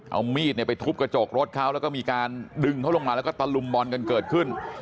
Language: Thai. เอามีดไปทุบกระจกรถเขาแล้วก็มีการดึงเขาลงมาแล้วก็ตะลุมบอลกันเกิดขึ้น